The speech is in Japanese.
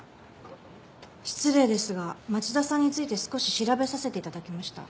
失礼ですが町田さんについて少し調べさせて頂きました。